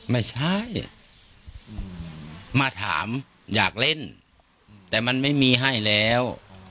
ไม่ใช่มาถามอยากเล่นแต่มันไม่มีให้แล้ว